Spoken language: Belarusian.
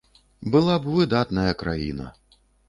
Была б выдатная краіна.